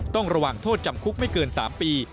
ต้องระวังโทษจำคุกไม่เกิน๓ปี